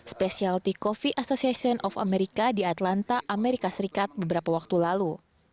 specialty coffee association of america di atlanta amerika serikat beberapa waktu lalu